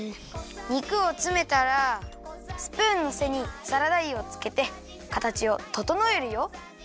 肉をつめたらスプーンのせにサラダ油をつけてかたちをととのえるよ。